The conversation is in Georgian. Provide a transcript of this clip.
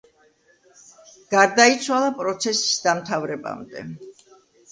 გარდაიცვალა პროცესის დამთავრებამდე.